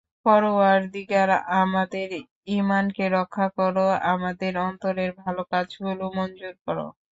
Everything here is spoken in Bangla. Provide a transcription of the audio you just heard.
পরওয়ারদিগার, আমাদের ইমানকে রক্ষা করো, আমাদের অন্তরের ভালো কাজগুলো মঞ্জুর করো।